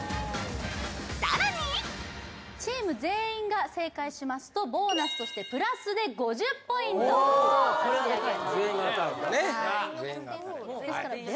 さらにチーム全員が正解しますとボーナスとしてプラスで５０ポイント全員が当たるんだね